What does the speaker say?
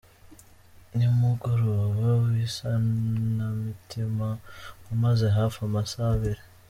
Ni mu mugoroba w’isanamitima wamaze hafi amasa abiri.